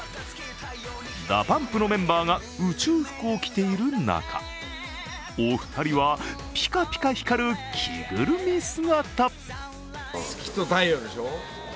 ＤＡＰＵＭＰのメンバーが宇宙服を着ている中、お二人はピカピカ光る着ぐるみ姿。